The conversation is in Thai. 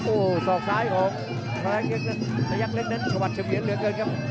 โอ้โหสองซ้ายของพยายามเล็กชะวัดชะเบียนเหลือเกินครับ